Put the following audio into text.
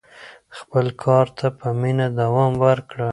خپل کار ته په مینه دوام ورکړه.